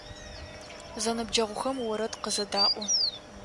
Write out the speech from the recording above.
Зэныбджэгъухэм орэд къызэдаӏо.